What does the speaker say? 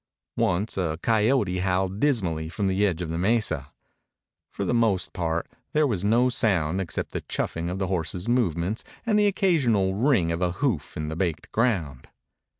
Once a coyote howled dismally from the edge of the mesa. For the most part there was no sound except the chuffing of the horses' movements and the occasional ring of a hoof on the baked ground.